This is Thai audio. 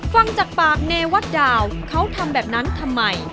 ฟังจากปากเนวัดดาวเขาทำแบบนั้นทำไม